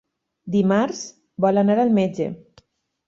Dimarts vol anar al metge.